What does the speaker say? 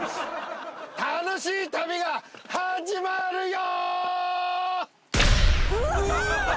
楽しい旅が始まるよ！